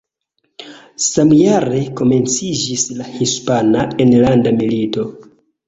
Samjare komenciĝis la Hispana Enlanda Milito.